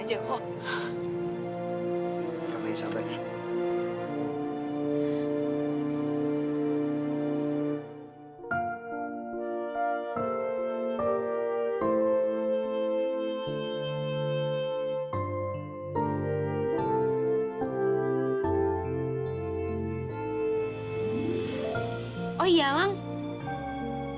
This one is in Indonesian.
tapi apa kamu mau berurus sama rangai ulang